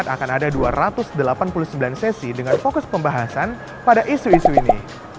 akan ada dua ratus delapan puluh sembilan sesi dengan fokus pembahasan pada isu isu ini